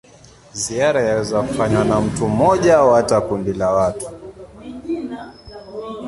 Ziara yaweza kufanywa na mtu mmoja au hata kundi la watu.